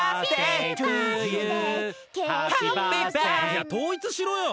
いや統一しろよ！